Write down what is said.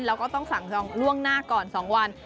แล้วก็ต้องสั่งจองล่วงหน้าก่อน๒วัน